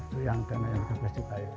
itu yang dana yang tiga belas juta ya